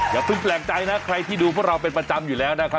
อย่าเพิ่งแปลกใจนะใครที่ดูพวกเราเป็นประจำอยู่แล้วนะครับ